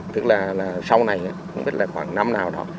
tức là sau này cũng biết là khoảng năm nào đó